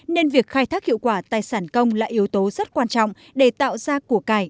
nên việc khai thác hiệu quả tài sản công là yếu tố rất quan trọng để tạo ra của cải